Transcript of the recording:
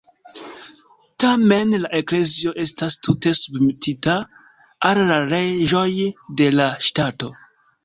Tamen, la Eklezio estas tute submetita al la leĝoj de la ŝtato.